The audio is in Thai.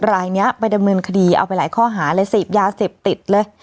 รายนี้ไปดำเนินคดีเอาไปหลายข้อหาเลยเสพยาเสพติดเลย